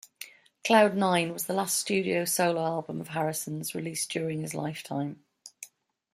"Cloud Nine" was the last studio solo album of Harrison's released during his lifetime.